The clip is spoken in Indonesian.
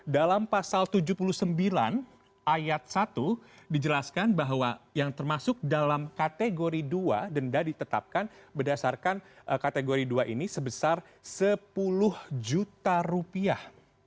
dalam pasal tujuh puluh sembilan ayat satu dijelaskan bahwa yang termasuk dalam kategori dua denda ditetapkan berdasarkan kategori dua ini sebesar sepuluh juta rupiah